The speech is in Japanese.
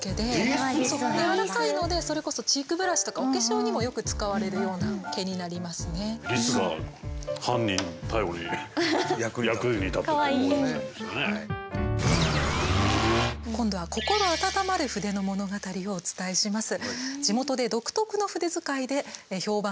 柔らかいのでそれこそ今度は心温まる筆の物語をお伝えします。